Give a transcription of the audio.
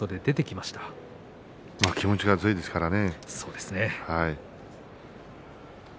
まあ気持ちが強いですからね。